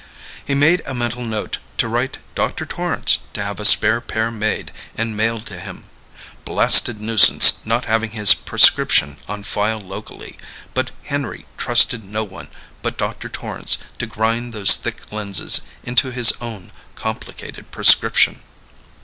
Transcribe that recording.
He made a mental note to write Dr. Torrance to have a spare pair made and mailed to him. Blasted nuisance not having his prescription on file locally, but Henry trusted no one but Dr. Torrance to grind those thick lenses into his own complicated prescription.